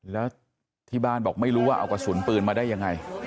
แล้วที่บ้านบอกไม่รู้ว่าเอากระสุนปืนมาได้ยังไง